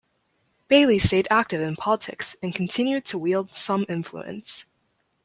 Bailey stayed active in politics and continued to wield some influence.